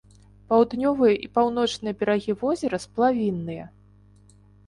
Паўднёвыя і паўночныя берагі возера сплавінныя.